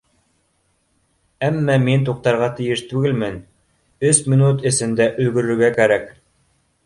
Әммә мин туҡтарға тейеш түгелмен, өс минут эсендә өлгөрөргә кәрәк.